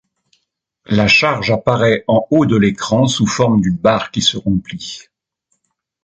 La charge apparaît en haut de l'écran sous forme d'une barre qui se remplit.